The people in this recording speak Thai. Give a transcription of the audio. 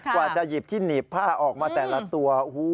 กว่าจะหยิบที่หนีบผ้าออกมาแต่ละตัว